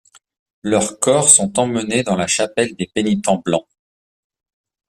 Leurs corps sont emmenés dans la chapelle des pénitents blancs.